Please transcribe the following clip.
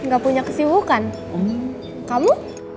ga punya kesibukan kamu